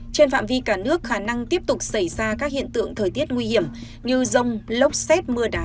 trên phạm vi cả nước khả năng tiếp tục xảy ra các hiện tượng thời tiết nguy hiểm như rông lốc xét mưa đá